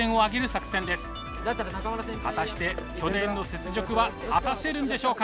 果たして去年の雪辱は果たせるんでしょうか？